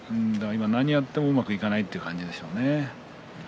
今は何やってもうまくいかないということでしょうね。